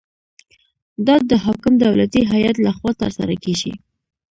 دا د حاکم دولتي هیئت لخوا ترسره کیږي.